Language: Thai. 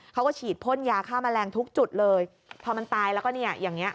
เขาก็ฉีดพ่นยาฆ่าแมลงทุกจุดเลยพอมันตายแล้วก็เนี่ยอย่างเงี้